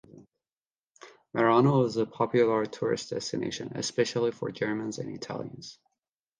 Merano is a popular tourist destination especially for Germans and Italians.